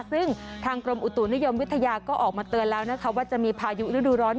ซึ่งทางกรมอุตุนิยมวิทยาก็ออกมาเตือนแล้วนะคะว่าจะมีพายุฤดูร้อน